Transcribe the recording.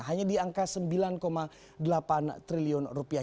hanya di angka sembilan delapan triliun rupiah